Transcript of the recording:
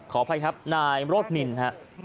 ขออภัยครับนายรถนินครับ